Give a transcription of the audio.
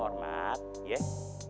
gausah dicurusin deh